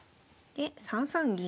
で３三銀。